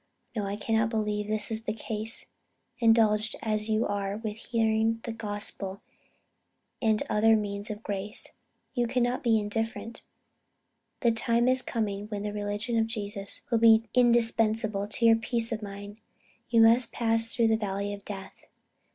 No, I cannot believe this is the case. Indulged as you are with hearing the gospel and other means of grace, you cannot be indifferent. The time is coming when the religion of Jesus will be indispensable to your peace of mind. You must pass through the valley of death.